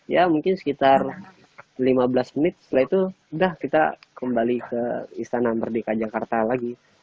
ya mungkin sekitar lima belas menit setelah itu udah kita kembali ke istana merdeka jakarta lagi